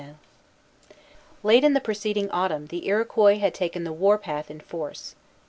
Late in the preceding autumn the Iroquois had taken the war path in force.